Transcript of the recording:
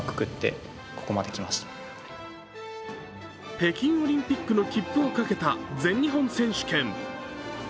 北京オリンピックの切符をかけた全日本選手権。